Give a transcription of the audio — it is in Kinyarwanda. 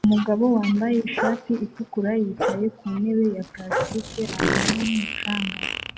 Umugabo wambaye ishati itukura yicaye ku ntebe ya plastiki ahantu h'umucanga